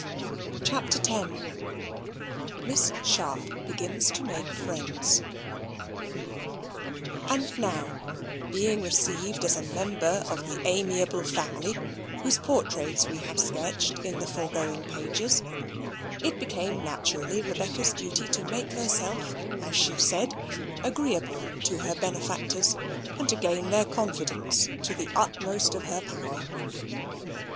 CHAPTER X Miss Sharp Begins to Make Friends And now, being received as a member of the amiable family whose portraits we have sketched in the foregoing pages, it became naturally Rebecca's duty to make herself, as she said, agreeable to her benefactors, and to gain their confidence to the utmost of her power.